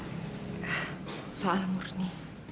tidak soal murni